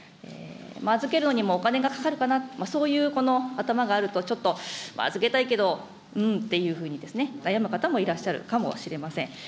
預けるのにもお金がかかるかな、そういう頭があると、ちょっと預けたいけど、うーんっていうふうに、悩む方もいらっしゃるかもしれません。